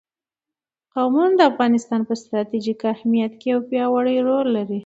قومونه د افغانستان په ستراتیژیک اهمیت کې یو پیاوړی رول لري.